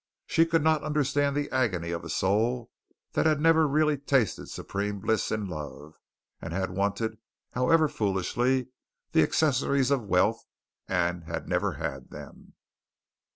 She could not understand the agony of a soul that had never really tasted supreme bliss in love, and had wanted, however foolishly, the accessories of wealth, and had never had them.